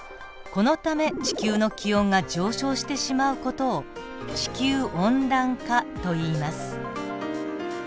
このため地球の気温が上昇してしまう事を地球温暖化といいます。